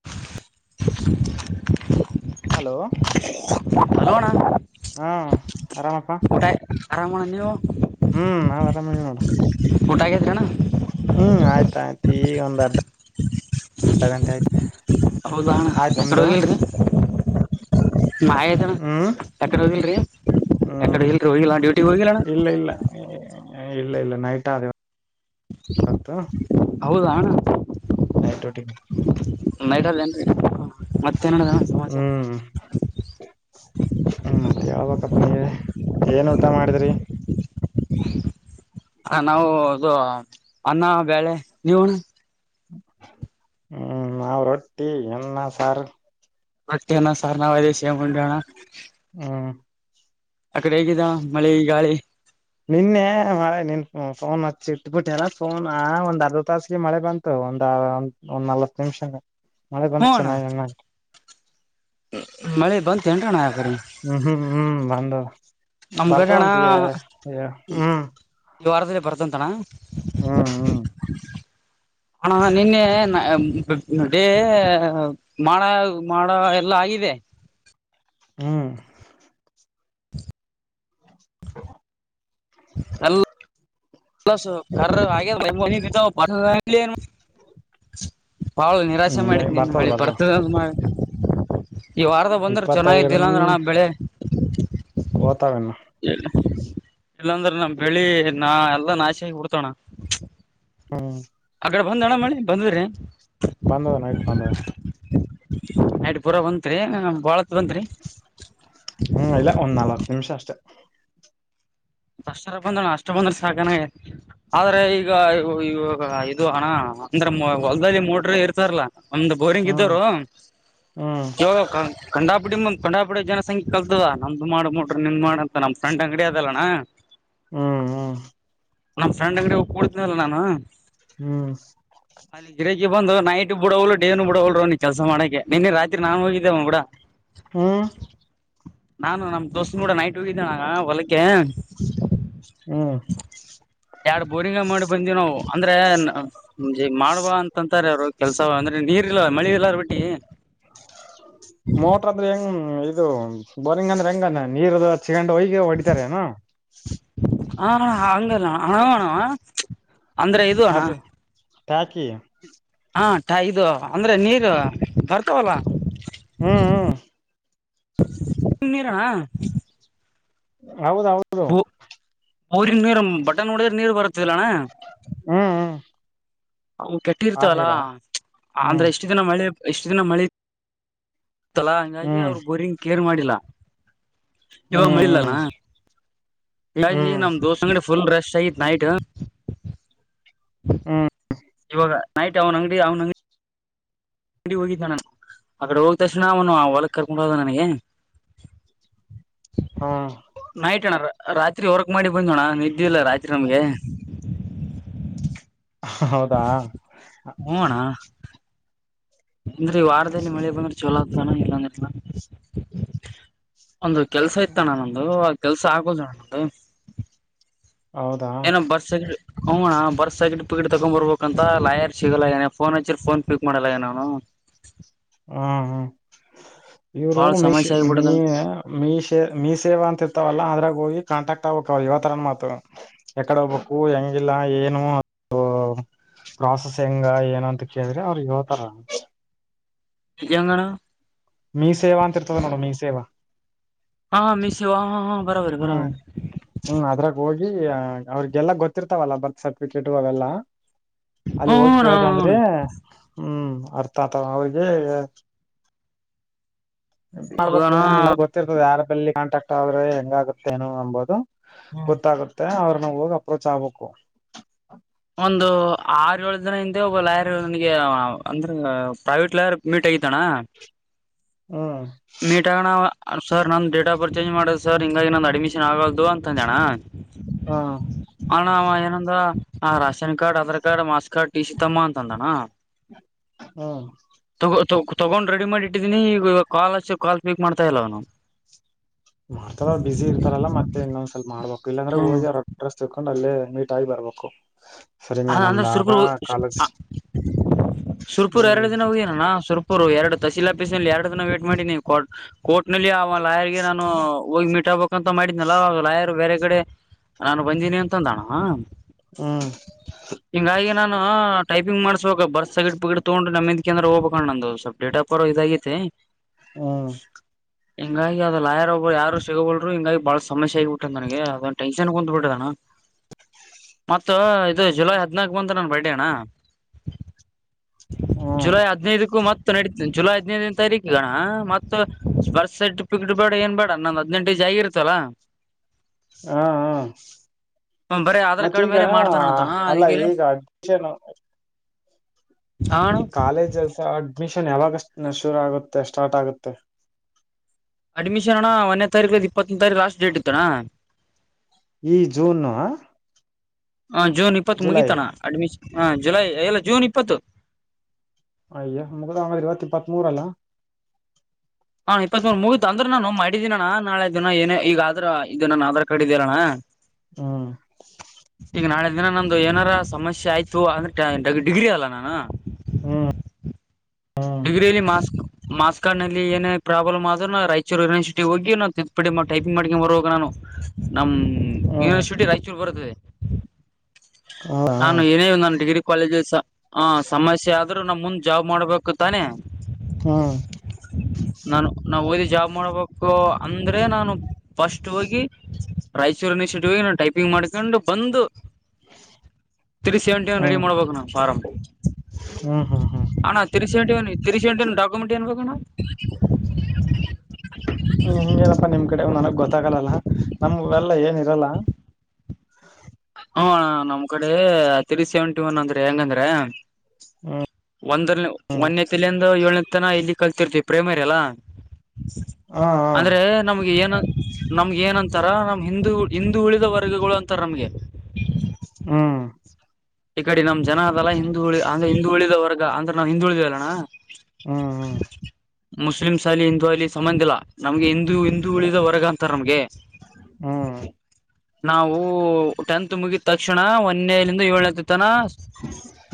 [inaudible] Hello hello ಅಣ ಹಾ ಆರಾಮಪ್ಪಾ ಊಟ ಆಯ್ ಆರಾಮ ಅಣ ನೀವು ಹ್ಮ್ ನಾ ಆರಾಮ ನೋಡು ಊಟ ಅಗೆತೆ ಅಣ ಹ್ಮ್ ಆಯ್ತ್ ಆಯ್ತ್ ಈಗ ಒಂದ್ ಅರ್ದ್ ಗಂಟೆ ಆಯ್ತು ಹೌದ ಆಯ್ತ್ ನಿಮ್ದು ಯಕಡೆ [inaudible] ನಯ ಹ್ಮ್ ಎಕಡೆ ಹೋಗಿಲ್ ರೀ ಎಕಡೆ ಹ್ಮ್ [inaudible] ಹೋಗಲ್ರಿ ಹೋಗಿಲ್ಲ ಡ್ಯೂಟಿ ಹೋಗಿಲ್ಲಣ್ಣ ಇಲ್ಲ ಇಲ್ಲ ಎ ಇಲ್ಲ ಇಲ್ಲ ನೈಟ್ ಆದ ಇವತ್ತು ಹೌದಾ ಅಣ್ಣ [unintelligible] ಆಯತ ಟ ನೈಗಾಲಯಂಡ [unintelligible] ಹ್ಮ್ ಹ್ಮ ಮತ್ತೆ ಹೇಳ್ಬೇಕಪ್ಪ ನೀವೆ ಏನ್ ಊಟ ಮಾಡಿದ್ರಿ ಹ ನಾವು ಅದು ಅನ್ನ ಬೇಳೆ ನೀವು ಹ್ಮ್ ನಾವ್ ರೊಟ್ಟಿ ಅನ್ನ ಸಾರು ಮಟ್ಟೆನ [unintelligible] ಸಹ ನದೇಶಿಯ ಮುೊಂಡೋಣ ಹ್ಮ ಅಕಡೆ ಹೇಗಿದ ಮಳೆ ಈ ಗಾಳಿ ನಿನ್ನೆ ಮಳೆ ನಿನ್ ಫೋನ್ ಹಚ್ಚಿಟ್ಬಿಟ್ಟೆನ ಫೋನ್ ಒಂದ್ ಅರ್ಧ ತಾಸಗೆ ಮಳೆ ಬಂತ ಒಂದ್ ಒಂದ ಒಂದ್ ನಲ್ವತ್ ನಿಮಿಷ ಮಳೆ ಹ್ಞೂ ಬಂತ ಅಣ್ಣ ಚೆನ್ನಾಗಿನ್ನ ಮಳೆ [unintelligible] ಬಂತುೇಂೋಣ ಯಾಕ ರೀ ಹ್ಮ್ ಹ್ಮ್ ಹ್ಮ್ ಬಂದ ನಮ್ ಕಡೆ ಬರ್ತದ ಅಣ್ಣ ಉಂಟ [unintelligible] ಈ ಹ್ಮ್ ಈ ವಾರದಲ್ಲಿ ಬರ್ತಂತಣ ಹ್ಮ್ ಹ್ಮ್ ಹಣ ನಿನ್ನೆ [unintelligible] ಡೇ ಮಾಡ ಮಾಡ ಎಲ್ಲಾ ಆಗಿದೆ ಹ್ಮ್ [inaudible] ಹ [unintelligible] ಅಲ್ [inaudible] ಬ್ಲ ಆಗನು [unintelligible] ಬಾಳ ನಿರಾಶೆ ಮಾಡಿದ ನಿನ್ ಮಳಿ ಬರ್ತದ ಅ [inaudible] ಈ ವಾರದಾಗ ಬಂದ್ರ ಚೆನ್ನಾಗಿದ್ದಿಲ್ಲ ಇಪ್ಪತ್ತೈದರನ್ ಅಂದ್ರ ಅಣ್ಣ ಬೆಳೆ ಓತಾವನು [inaudible] ಇಲ್ಲ ಇಲ್ಲಾಂದ್ರೆ ನಮ್ ಬೆಳಿ ನಾ ಎಲ್ಲಾ ನಾಶ ಆಗಿ ಬಿಡ್ತಾವ್ ಅಣ ಹ್ಮ [unintelligible] ಅಗಡೆ ಬಂದ ಅಣ ಮಾಡಿ ಬಂದ್ರಿ ಬಂದದ ನೈಟ್ ಬಂದದ ನೈಟ್ ಪುರಾ ಬಂತ್ರಿ ಬಾಳತ್ ಬಂದ್ರಿ ಹ್ಮ್ ಇಲ್ಲ ಒಂದ್ ನಲ್ವತ್ ನಿಮಿಷ ಅಷ್ಟೇ. ಅಷ್ಟರ ಬಂದೋಣ ಅಷ್ಟ ಬಂದ್ರ ಸಾಕ ಅನಂಗ್ ಆಗೈತ್. ಆದ್ರ ಈಗ ಇವ್ ಇವು ಇದು ಅಣ ಅಂದ್ರ ಹೊಲದಲ್ಲಿ ಮೋಟ್ರ ಇರ್ತಾರಲ್ಲಾ. ಒಂದ್ ಬೋರಿಂಗ್ ಹ್ಮ್ ಇದ್ದೋರು ಹ್ಮ್ ಇವಗ [unintelligible] ಕಂಡಾಪುಡಿಮ್ ಕಂಡಾಪುಡಿ ಜನಸಖ್ಯೆ ಕಲ್ತದ ನಮ್ದು ಮಾಡ ಮೋಟರನಿಂದ ನಿಂದ್ ಮಾಡ ಅಂತ ನಮ್ಮ ಫ್ರೆಂಡ್ ಅಂಗಡಿ ಅದಲ್ಲಾನ್ಣ. ಹ್ಮ್ ಹ್ಮ. ನಮ್ಮ ಫ್ರೆಂಡ್ ಅಂಗಡಿ ಹೋಗ ಕುಡ್ತಿನಲ್ ನಾನು. ಹ್ಮ್. ಗಿರೆಕಿ ಬಂದು ನೈಟ್ ಬಡವ್ಲು ಡೇನು ಬಿಡವಲ್ರು ಅವನಿಗ್ ಕೆಲ್ಸಾ ಮಾಡಕೆ ನಿನ್ನೆ ರಾತ್ರಿ ನಾನ್ ಹೋಗಿದ್ದೆ ಅವ್ನ ಗೂಡ. ಹ್ಮ. ನಾನು ನಮ್ ದೋಸ್ತನ್ ಗೂಡ ನೈಟ್ ಹೋಗಿದ್ದೆ ಅಣ್ಣಾ ಹೊಲಕ್ಕೆ. ಹ್ಮ್. ಎರಡ್ ಬೋರಿಂಗ್ ಮಾಡಿ ಬಂದಿವಿ ನಾವು ಅಂದ್ರೆ ನ ಮುಜಿ ಮಾಡ್ ಬಾ ಅಂತಂತಾರೆ ಅವ್ರು ಕೆಲ್ಸ ಅಂದ್ರೆ ನೀರ್ ಇಲ್ಲ ಮಳಿ ಇಲ್ಲಾರ ಬಟ್ಟಿಗಿ. ಮೋಟ್ರ ಅಂದ್ರೆ ಹೆಂಗ್ ಇದು ಬೋರಿಂಗ್ ಅಂದ್ರೆ ಹೆಂಗ ನೀರುದು ಹಚ್ಚಿ ಗಂಡ ಹೋಗಿ ಹೊಡಿತಾರ ಏನು. ಹ ಅಣ ಹಂಗ ಹಣಣ ಹತ್ ಟಾಕಿ. ಹಾ ಟ ಇದು ಅಂದ್ರೆ ನೀರ ಬರ್ತಾವಲ್ಲ. ಹ್ಮ್ ಹ್ಮ್ [unintelligible] ನೀರಣ್ಣಾ. ಹೌದೌದು ಬು ಬೋರಿನ್ ನೀರು ಬಟನ್ ಹೊಡಿದ್ರೆ ನೀರ್ ಬರತ್ತದಿಲ್ಲಣ್ಣ. ಹ್ಮ್ ಹ್ಮ್. ಅವು ಕೆಟ್ಟಿ ಆ ಇರ್ತವಲ್ಲ ನೀರಾ ಹ್ಮ್ ಅಂದ್ರೆ ಇಷ್ಟ. ಇಷ್ಟ ದಿನ ಮಳಿ ಇಷ್ಟ ದಿನ ಮಳಿತ್ತಲ್ಲಾ ಹಂಗಾಗಿ ಹ್ಮ್ ಅವ್ರು ಬೋರಿಂಗ್ ಕೇರ್ ಮಾಡಿಲ್ಲ. ಇವಾಗ ಹ್ಮ್ ಮಳಿ ಇಲ್ಲಣ್ನ. ಹ್ಮ್ ಹಿಂಗಾಗಿ ಹ್ಮ್ ಹ್ಮ್ ನಮ್ ದೋಸ್ತ್ನ ಅಂಗಡಿ ಫುಲ್ ರಶ್ ಆಗಿತ್ ನೈಟ. ಹ್ಮ. ಇವಾಗ ನೈಟ್ ಅವ್ನ ಅಂಗಡಿ ಅವ್ನ ಅಂಗಡಿ ಅಂಗಡಿಗ ಹೋಗಿದ್ದಣ ಆ ಕಡ ಹೋಗ ತಕ್ಷಣ ಅವನು ಆ ಹೊಲಕ ಕರ್ಕೊಂಡು ಹೋದ ನನಗೆ. [inaudible] ಹಾ. ನೈಟ್ ಅಣ್ಣ ರಾತ್ರಿ ವರ್ಕ್ ಮಾಡಿ ಬಂದೀವಣ್ಣ ನಿದ್ದಿ ಇಲ್ಲ ರಾತ್ರಿ ನಮ್ಗೆ. [inaudible] ಹೌದಾ. ಹ್ಮ್ ಅಣ್ಣಾ. ಅಂದ್ರೆ ಈ ವಾರದಲ್ಲಿ ಮಳೆ ಬಂದ್ರ ಚಲೋ ಆತದ ಅಣ್ಣಾ ಇಲ್ಲಂದ್ರ ಇಲ್ಲ. ಒಂದು ಕೆಲ್ಸ ಇತ್ತಣ್ಣ ನಂದು ಆ ಕೆಲ್ಸ ಆಗವಲ್ದಣ್ಣ ನಮಂದು. ಹೌದಾ ಏನೋ ಬರ್ತ್ ಸ [unintelligible] ಹ್ಮ್ ಅಣ್ಣಾ ಬರ್ತ್ ಸರ್ಕಿ ಪಿಕೆಟ್ ತಗೊಂಡ್ ಬರ್ಬೇಕಂತ ಲಾಯರ್ ಸಿಗಲಾಗ್ಯನ್ ಫೋನ್ ಹಚ್ಚಿರ್ ಫೋನ್ ಪಿಕ್ ಮಾಡಲ್ಯಗನ್ ಅವ್ನು. ಹ್ಮ ಹ್ಮ ಇವ್ರು ಬಾಳ ಮೀಷ ಸಮಸ್ಯೆ ಮೀ ಆಗ್ಬಿಡದ ಮೀ ಸೇ ಮೀ ಸೇವಾ ಅಂತ ಇರ್ತವಲ್ಲ ಅದ್ರಾಗ ಹೋಗಿ ಕಾಂಟಾಕ್ಟ್ ಆಗ್ಬೇಕ ಅವ ಇವತರ ಮಾತ. ಎಕಡ ಹೋಗ್ಬೇಕು ಹೆಂಗಿಲ್ಲ ಏನು ಅ ಪ್ರಾಸೆಸ್ ಹೆಂಗ ಏನ ಅಂತ ಕೇಳಿದ್ರ ಅವ್ರ ಹೇಳ್ತಾರಾ. ಇಗೆಂಗಣ್ಣ [unintelligible] ಮೀ ಸೇವಾ ಅಂತ ಇರ್ತದ ನೋಡ ಮೀ ಸೇವಾ. ಹಾ ಮಿಸೇವಾ ಹ ಹಾ ಹಾ ಬರೋಬರಿ ಬರಬರಿ. ಹು ಅದ್ರಾಗ ಹೋಗಿ ಅವ್ರಗೆಲ್ಲಾ ಗೊತ್ತಿರ್ತಾವಲ್ಲ ಬರ್ತ್ ಸರ್ಟಿಫಿಕೇಟು ಅವೆಲ್ಲಾ. ಅಲ್ಲಿ ಹೋಗಿ ಹೂಣ ಕೇಳ್ದ ಅಂದ್ರೆ ಹು ಅರ್ಥ ಆತ ಅವ್ರಿಗೆ. ಹೌದಣ ಮಾಡ್ಬೇಕಏನ ಗೊತ್ತಿರ್ತದೆ ಯಾರ ಕಲ್ಲಿ ಕಾಂಟ್ಯಾಕ್ಟ್ ಆದ್ರೆ ಹೆಂಗಾಗುತ್ತೆ ಏನು ಅಂಬೋದು. ಗೊತ್ತಾಗುತ್ತೆ ಅವ್ರನ ಹೋಗಿ ಅಪ್ರೋಚ್ ಆಗ್ಬೇಕು. ಒಂದು ಆರು ಏಳು ದಿನ ಹಿಂದೆ ಒಬ್ಬ ಲಾಯರ್ ನನಗೆ ಅಂದ್ರೆ ಪ್ರೈವೇಟ್ ಲಾಯರ್. ಮೀಟಾಗೆತಣ್ಣಾ. ಹು ಮೀಟಾಗಣ ಸರ್ ನಂದು ಡೇಟಾಪರ್ತ್ ಮಾಡೋದು ಸರ್ ಹಿಂಗಾಗಿ ನಂದು ಅಡ್ಮಿಷನ್ ಆಗಲ್ದು ಅಂತ ಅಂದೇಣ್ಣಾ. ಹ್ಮ್ ಅಣ್ಣಾ ಅವಾ ಏನಂದಾ ration card Aadhaar card mass card. ತಿ ಸಿ ತಂಬಾ ಅಂತ ಅಂದಣ್ಣಾ. ಹು ತಗೊ ತೊಗೊಂಡ್ ರೆಡಿ ಮಾಡಿಟ್ಟಿದೀನಿ ಈಗ ಕಾಲ್ ಹಚ್ಚಿರ ಕಾಲ್ ಪೀಕ್ ಮಾಡ್ತಾ ಇಲ್ಲಾ ಅವನು. ಮಾಡ್ತಾರ ಬಿಸಿ ಇರ್ತಾರಲ್ಲ ಮತ್ತೆ ಇನ್ನೊಂದ್ ಸ್ವಲ್ಪ ಮಾಡ್ಬೇಕು ಇಲ್ಲಾಂದ್ರೆ ಹೋಗಿ ಅವರ ಅಡ್ರೆಸ್ ತಿಳಕೊಂಡು ಅಲ್ಲೇ ಮೀಟ್ ಆಗಿ ಬರ್ಬೇಕು. ಸರಿಂಗ ಹ ಅಂದ್ರಸು ನಮ್ದಾದ ಕಾಲೇಜ್ ಆ ಸುರ್ಪೂರ್ ಸುರ್ಪೂರ್ ಹ್ಮ್ ಎರಡು ದಿನಾ ಹೋಗಿ ನಾ ಸುರ್ಪುರು ಎರಡು ತಸೀಲ್ ಆಫೀಸ್ ನಲ್ಲಿ ಎರಡು ದಿನಾ ವೇಟ್ ಮಾಡಿನಿ ಕೋಟ್ ನಲ್ಲಿ ಅವಾ. ಲಾಯರಗೆ ನಾನು ಹೋಗಿ ಮೀಟ್ ಆಬೇಕಂತ ಮಾಡಿದ್ನಲ್ಲ ಲಾಯರ್ ಬೇರೆ ಕಡೆ. ನಾನು ಬಂದೀನಿ ಅಂತಂದಣ್ಣಾ. ಹು ಹಿಂಗಾಗಿ ನಾನು ಟೈಪಿಂಗ್ ಮಾಡ್ಸ್ಬೇಕ ಬರ್ತ್ ಸರ್ಟಿಫಿಕೇಟ್ ತಗೊಂಡು ನಮ್ಮಿಂದ. ಉಪಕೇದ್ರಹೋಗ್ಬೇಕಣ್ ನಂದು ಸ್ವಪ್ ಡೇಟಾ ಪರ್ ಇದಾಗೈತಿ. ಹು ಹಿಂಗಾಗಿ ಅದ ಲಾಯಾರ್ ಒಬ್ಬರು ಯಾರು ಸಿಗೋಬಲ್ರು ಹಿಂಗಾಗಿ ಬಾಳ ಸಮಸ್ಯ ಆಗಿಬಿಟ್ಟೆ ನನಗೆ ಅದೊ ಟೆನ್ ಕುಂತ್ ಬಿಟ್ಟದಣ್ಣಾ. ಮತ್ತ ಇದು ಜುಲೈ ಹದ್ನಾಕು ಬಂತ ನನ್ನ ಬರ್ತಡೇ ಅಣ್ಣಾ ಹ್ಮ್ ಜುಲೈ ಹದ್ನೈದಕ್ಕೂ ಮತ್ತ. ತನಡೀ ಜುಲೈ ಹದ್ದನೇ ತಾರೀಕು ಅಣ್ಣಾ ಮತ್ತ ಬರ್ತ್ ಸರ್ಟಿಫಿಕೇಟ್ ಬೇಡಾ ಏನ್ ಬೇಡಾ ನಂದ್ ಹದಿನೆಂಟ ಏಜ್ ಆಗಿರತ್ತ. ತ್ತಲ. ಹ ಹ ಬರೀ ಆಧಾರ್ ಮತ್ತ ಕಾರ್ಡ್ ಈಗ. ಮೇಲೆ ಹಾ ಮಾಡ್ತಾನಂತಣ ಅಲ್ಲ ಅದಕ್ಕೆಲೆ ಈಗ ಹಚ್ಚೇನು. ಅಣ ಈ ಕಾಲೇಜ್ ಸ್ ಅಡ್ಮಿಷನ್ ಯಾವಾಗಷ ಶುರು ಆಗುತ್ತೆ ಸ್ಟಾರ್ಟ್ ಆಗುತ್ತೆ. ಅಡ್ಮಿಷನ್ ಅಣ್ಣಾ ಒಂನ್ನೆ ತಾರೀಕು ಇಪ್ಪತ್ತೊ ತಾರೀಕು ಲಾಸ್ಟ್ ಡೇಟ್ ಇತ್ತಣ್ಣಾ. ಈ ಜೂನು. ಹ ಜೂನ್ ಇಪ್ಪತ್ತು ಮುಗಿತಣ್ಣಾ ಅಡ್ಮಿಶನ್ ಹ ಜುಲೈ ಇಲ್ಲ ಜೂನ್ ಇಪ್ಪತ್ತು. ಅಯ್ಯ ಮುದಾವನ ಇವತ್ ಇಪ್ಪತ್ ಮೂರ ಅಲ್ಲಾ. ಹಾ ಇಪ್ಪತ್ತ ಮೂರ್ ಮುಗಿತ್ ಅಂದ್ರೆ ನಾನು ಮಾಡಿದ್ದಿನಣ್ಣಾ ನಾಳೆ ಇದನ್ನ ಏನೇ ಈಗ ಆದ್ರ ಇದು ನನ್ನ ಆಧಾರ ಕಾರ್ಡ್ ಇದಿಯಲ್ಲಣ್ಣಾ. ಹು ಈಗ ನಾಳೆ ದಿನ ನಂದು ಏನಾರ ಸಮಸ್ಯೆ ಆಯ್ತು ಅಂದ್ರೆ ಡಿಗ್ರಿ ಅಲ್ಲ ನಾನು. ಹು ಹು ಬೇರೆ ಮಾಸ್ಕ್ ಮಾಸ್ ಕಾರ್ಡಲ್ಲಿ ಏನೇ ಪ್ರಾಬ್ಲಮ್ ಆದ್ರುನು ರಾಯಚೂರು ಯನಿವರ್ಸಿಟಿ ಹೋಗಿ ನಾವ ತಿ ಪಡಿ ಟೈಪಿಂಗ್ ಮಾಡ್ಕೊಂಡ ಬರಬೇಕಣ್ಣಾ ನಾವ ನಮ್ಮ ಹ್ಮ್ ಯೂನಿವರ್ಸಟಿ ರಾಯಚೂರು ಬರುತ್ತದೆ. ನಾನು ಹ್ಮ್ ಏರ್ಯವ ನನ್ನ ಡಿಗ್ರಿ. ಕಾಲೇಜಸ್ಸ ಸಮಸ್ಯೆ ಆದ್ರೂ ನಮ್ಮ ಮುಂದ್ ಜಾಬ್ ಮಾಡ್ಬೇಕು ತಾನೆ. ಹಾ [inaudible] ನಾನು ನಾವು ಓದಿ ಜಾಬ್ ಮಾಡ್ಬೇಕು ಅಂದ್ರೆ ನಾನು ಫಸ್ಟ್ ಹೋಗಿ. ರಾಯಚೂರು [unintelligible] ನಾವು ಟೈಪಿಂಗ ಮಾಡ್ಕೊಂಡು ಬಂದು. ತ್ರೀ ಸೆವೆಂಟಿ ಒಂದು ಹ್ಮ್ ರೆಡಿ ಮಾಡ್ಬೇಕು ನಾವು ಫಾರಾಮ. ಹ್ಮ್ ಹ್ಮ್ ಹ್ಮ್ ಅಣ್ಣ three seventy one three seventeen document ಏನ್ಬೇಕಣ. ಹಿಂಗ ನಪ್ಪಾ ನಿಮ್ ಕಡೆ ಒಂದ್ ನನಗ್ ಗೊತ್ತಾಗಲ್ಲ ನಮ್ಗೆಲ್ಲ ಏನ ಇರಲ್ಲ. ಹೂ ನಮ್ ಕಡೆ ತ್ರೀ ಸೆವೆಂಟಿ ಒನ್ ಅಂದ್ರೆ ಹೆಂಗಂದ್ರೆ. ಹ್ಮ್ ಒಂದರ್ ಹ್ಮ್ ಒಂದೇ ತಿಲಂದ ಏಳ್ನೇ ತನ ಇಲ್ಲಿ ಕಲ್ತಿರ್ತಿವಿ ಪ್ರೇಮರಿ ಎಲ್ಲ. ಹ ಹ ಅಂದ್ರೆ ನಮ್ಗೆ ಏನ ನಮ್ಗೆ ಏನ್ಂತಾರ ನಮ್ ಹಿಂದೂ ಹಿಂದು ಉಳಿದ ವರ್ಗಗಳು ಅಂತಾರ ನಮ್ಗೆ. ಹೂ ಈ ಕಡೆ ನಮ್ ಜನ ಅದಲ್ಲ ಹಿಂದುಳಿ ಅಂದ್ರೆ ಹಿಂದು ಉಳಿದ ವರ್ಗ ಅಂದ್ರೆ ನಾವು ಹಿಂದು ಉಳಿದ್ ಅಲ್ಲಣ್ಣ. ಹ್ಮ್ ಹ್ಮ್ ಮುಸ್ಲಿಮ್ಸ್ ಅಲಿ ಹಿಂದೂ ಅಲಿ ಸಂಬಂಧ ಇಲ್ಲ ನಮ್ಗೆ ಹಿಂದೂ ಇಂದು ಉಳಿದ ವರ್ಗ ಅಂತಾರ ನಮ್ಗೆ. ಹ್ಮ್ ನಾವು ಟೆಂತ್ ಮುಗಿದ ತಕ್ಷಣ ಒಂದೇಲಂದ ಏಳ್ನ ತನ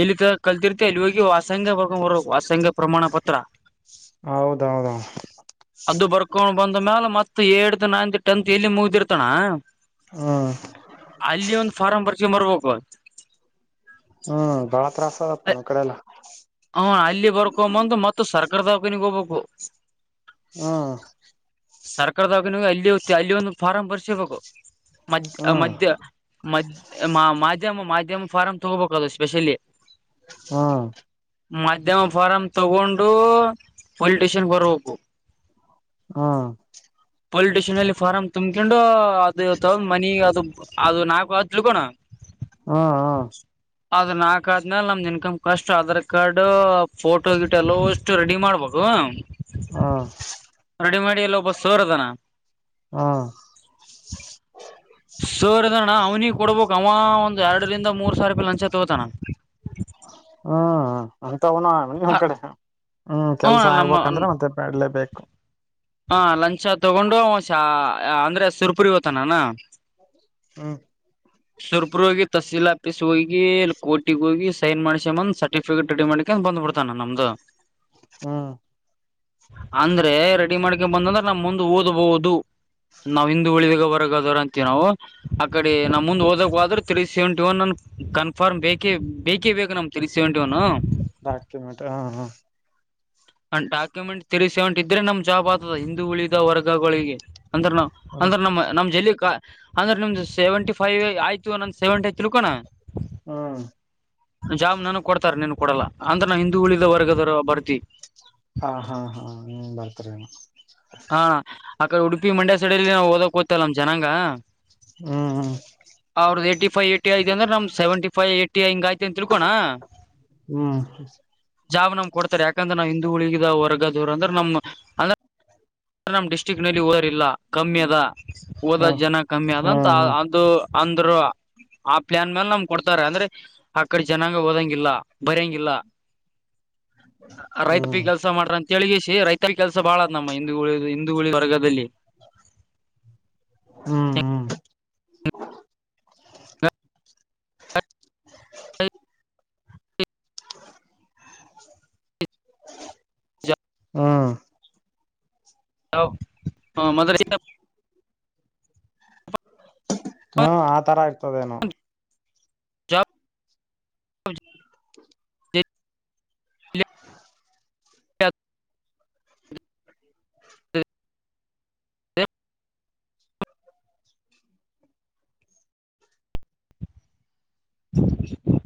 ಎಲ್ಲಿ ತ ಕಲ್ತಿರ್ತಿ ಅಲ್ಲಿ ಹೋಗಿ ವಾಸಂಗ ಬರ್ ವಾಸಂಗ ಪ್ರಮಾಣ ಪತ್ರ. ಹೌದ ಹೌದಾ ಅದು ಬರ್ಕೊಂಡ್ ಬಂದ ಮ್ಯಾಲ ಮತ್ ಏತ್ ನೈನ್ತ್ ಟೆಂತ್ ಎಲ್ಲಿ ಮುಗ್ದಿರ್ತಣ. ಹಾ ಅಲ್ಲಿ ಒಂದ್ ಫಾರಂ ಬರ್ಸ್ಕೊಂಡ್ ಬರಬೇಕು. ಹ್ಮ್ ಬಾಳ ತತ್ರ್ರಾಸ ಅಪ್ಪ ನಮ್ಮ್ ಕಡೆ ಎಲ್ಲ. ಹ ಅಲ್ಲಿ ಬರ್ಕೊಂಬಂದು ಮತ್ತ ಸರ್ಕಾರ ದಾಕನಗ್ ಹೋಗ್ಬೇಕು. ಹಾ ಸರ್ಕಾರದವಾಗ ನಗೆ ಅಲ್ಲಿ ಅಲ್ಲಿ ಒಂದು ಫಾರ್ ಬರ್ಸಿರ್ಬೇಕು. ಮಧ್ಯ ಹ್ಮ್ ಮಧ್ಯ ಮಧ್ಯ ಮಾಧ್ಯಮ ಮಾಧ್ಯಮ ಫಾರಂ ತಗೋಬೇಕ ಅದು ಸ್ಪೆಷಲಿ. ಹಾ ಮಧ್ಯಮ ಫಾರಂ ತಗೊಂಡು ಪೊಲಿಟಿಷನ್ ಬರಬೇಕು. ಹಾ ಪೊಲಿಟಿಷನ್ಲ್ಲಿ ಫಾರಂ ತುಂಬ್ಕೊಂಡು ಅದು ತ ಮನಿ ಅದು. ಅದು ನಾಲ್ಕು [unintelligible] ಹಾ ಅದ ನಾಲ್ಕ್ ಆದಮೇಲೆ ನಮ್ದ್ ಇನ್ಕಮ್ ಕಷ್ಟ ಅದ್ರ ಕಾರ್ಡು ಫೋಟೋ ಗಿಟ್ಟ ಎಲ್ಲಷ್ಟು ರೆಡಿ ಮಾಡ್ಬೇಕು. ಹ್ಮ್ ರೆಡಿ ಮಾಡಿ ಎಲ್ಲ ಒಬ್ಬ ಸೋರ್ದನ. ಹಾ ಸೋರ್ ಅದಣ್ಣ ಅವ್ನಿಗೆ ಕೊಡ್ಬಬೇಕಕ್ ಅವ ಒಂದ್ ಎರಡರಿಂದ ಮೂರ್ ಸಾವಿ ರೂಪಾಯಿ ಲಂಚ ತಗೋತಾನ. ಹ್ಮ್ ಅಂತ ಅವನ ನಮ್ ಹ ಕಡೆ ಹ್ಮ್ ಕೆಲ್ಸ ನಮ್ಮ ಆಗ್ಬೇಕಂದ್ರೆ ಮತ್ತೆ ಮಾಡಲೇಬೇಕು. ಹಾ ಲಂಚ್ ತಗೊಂಡು ಶಾ ಅಂದ್ರೆ ಸುರ್ಪುರಿ ತನಾನ. ಹಾ [inaudible] ಸುರ್ಪು ಹೋಗ ತಹಸೀಲ್ ಆಫೀಸ್ ಹೋಗಿಲ್ಲಿ ಕೋಟಿಗ್ ಹೋಗಿ ಸೈನ್ ಮಾಡ್ಸ್ಯಂದ್ ಸರ್ಟಿಫಿಕೇಟ್ ರೆಡಿ ಮಾಡ ಯಾಕ ಬಂದ್ಬಿಡ್ತಾನ ನಮ್ದು. ಹಾ ಅಂದ್ರೆ ರೆಡಿ ಮಾಡ್ಕೊಂಡ ಬಂದಂದ್ರೆ ನಮ ಮುಂದ ಓದ್ಬೋದು. ನಾವು ಹಂದು ಉಳಿದಾಗ ಬರಗ ಅದರ ಅಂತೀವಿ ನಾವು. ಆ ಕಡೀ ನಾ ಮುಂದ್ ಓದಕ್ವಾದ್ರ ತ್ರೀ ಸೆವೆಂಟಿ ಒನ್ ನನ್ ಕನ್ಫರ್ಮ್ ಬೇಕೇ ಬೇಕೇ ಬೇಕು ನಮ್ ತ್ರಿ ಸೆವೆಂಟಿ ಒನ್ನು. ಡಾಕ್ಯುಮೆಂಟ್ ಹಾ ಹಾ. ಅ ಡಾಕ್ಯುಮೆಂಟ್ ತಿರಿಸೆವೆಂಟ್ ಇದ್ರೆ ನಮ್ ಜಾಬ್ ಆತದ ಹಿಂದು ಉಳಿದ ವರ್ಗಗಳಿಗೆ ಅಂದ್ರ ನಾವು ಹ್ಮ್ ಅಂದ್ರ ನಮ್ಮ್ ನಮ್ ಜಲ್ಲಿ ಕಾ ಅಂದ್ರ ನಿಮ್ದು ಸೆವೆಂಟಿ ಫೈವ್ ಆಯ್ತು ನಂದ ಸೆವೆಂಟಿ ಆಯತ ತಿಳ್ಕೋಣ. ಹ್ಮ ಜಾಮ್ ನನಗ್ ಕೊಡ್ತಾರ ನೀನ್ ಕೊಡಲ್ಲಾ ಅಂದ್ರ ನಾ ಹಿಂದೂ ಉಳಿದ ವರ್ಗದ ಬರ್ತಿ ಹಾ ಹಾ ಹಾ ಹ್ಮ ಬರ್ತರಿ. ಹಾ ಆ ಕಡೆ ಉಡುಪಿ ಮಂಡ್ಯ ಸೈಡಲ್ಲಿ ನಾವು ಓದಕೋತಿವೆಲ್ಲ ನಮ್ ಜನಾಂಗ. ಹ್ಮ್ ಹ್ಮ ಅವ್ರದ್ದ ಏಟಿಫೈ ಏಟಿ ಆಯ್ದಂದ್ರ ನಮ್ ಸೆವೆಂಟಿ ಫೈ ಏಟಿ ಹಿಂಗಾಯ್ತಂತ ತಿಳ್ಕೋಣ. ಹ್ಮ್ ಜಾಬ್ ನಮ್ ಕೊಡ್ತಾರೆ ಯಾಕಂದ್ರೆ ನಾವು ಹಿಂದು ಉಳಿಗದ ವರ್ಗದವರುಂದ್ರ ನಮ್ ಅಂದ್ರ ಅಂದ್ರ ನಮ್ಮ್ ಡಿಸ್ಟ್ರಿಕ್ ನಲ್ಲಿ ಓಯೋರಿಲ್ಲ ಕಮ್ಮಿ ಅದ ಓದ ಹ್ಮ್ ಜನ ಕಮ್ಮಿ ಹ್ಮ್ ಅದ ಅಂತ ಹ್ಮ್ ಅದು ಅಂದ್ರು ಆ ಪ್ಲಾನ್ ಮೇಲೆ ನಮ್ ಕೊಡ್ತಾರೆ ಅಂದ್ರೆ ಆಕಡೆ ಜನಾಂಗ ಓದಂಗಿಲ್ಲ. ಬರೆಂಗಿಲ್ಲ ರೈತ ಬಿ ಹ್ಮ್ ಕೆಲ್ಸ ಮಾಡ್ರ ಅಂತ ಹೇಳಗಿಸಿ ರೈತರಿ ಕೆಲ್ಸ ಬಾಳ ನಮ್ಮ ಹಿಂದುಳಿದು ಹಿಂದ ವರ್ಗದಲ್ಲಿ ಹ್ಮ್ ಹ್ಮ್ ಹಾ ಹ [unintelligible] ಹ್ಮಾ ಹಲ ಹ ಮದರ [unintelligible] ಹ್ಮ ಆ ತರ ಆಗ್ತದೇನು. [unintelligible] [inaudible]